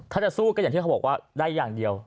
ถ้าจะสู้ก็อย่างที่เขาบอกว่าได้อย่างเดียว